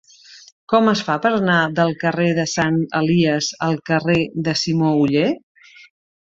Com es fa per anar del carrer de Sant Elies al carrer de Simó Oller?